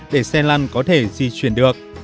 để xe lăn có thể di chuyển được